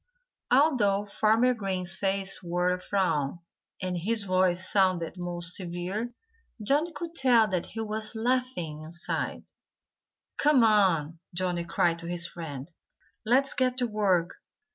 Although Farmer Green's face wore a frown, and his voice sounded most severe, Johnnie could tell that he was laughing, inside. "Come on!" Johnnie cried to his friends. "Let's get to work.